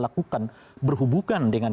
lakukan berhubungan dengan